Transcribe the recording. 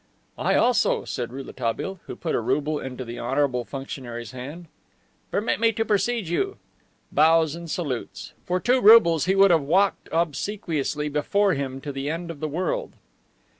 "I also," said Rouletabille, who put a rouble into the honorable functionary's hand. "Permit me to precede you." Bows and salutes. For two roubles he would have walked obsequiously before him to the end of the world.